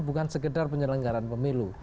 bukan sekedar penyelenggaran pemilu